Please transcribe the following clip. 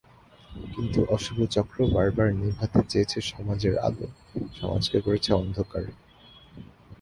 কিন্তু অশুভ চক্র বারবার নেভাতে চেয়েছে সমাজের আলো, সমাজকে করেছে অন্ধকার।